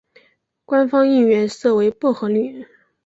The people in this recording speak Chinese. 官方应援色为薄荷绿。